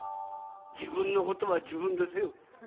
自分のことは自分でせよ。